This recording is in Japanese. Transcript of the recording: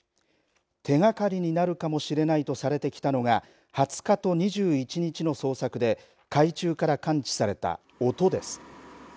手がかりになるかもしれないとされてきたのが２０日と２１日の捜索で海中から感知された音です。